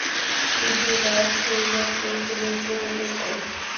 কিন্তু দাস হইবার তো কোন প্রয়োজন নাই।